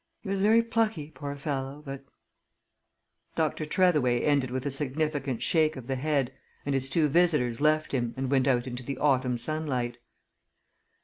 He was very plucky, poor fellow, but " Dr. Tretheway ended with a significant shake of the head, and his two visitors left him and went out into the autumn sunlight.